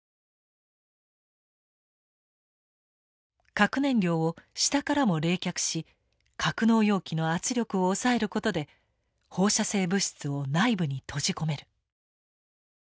核燃料を下からも冷却し格納容器の圧力を抑えることで放射性物質を内部に閉じ込める。